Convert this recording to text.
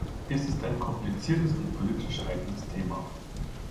Es ist ein kompliziertes und politisch heikles Thema.